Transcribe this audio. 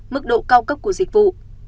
mức độ cao cấp của dịch vụ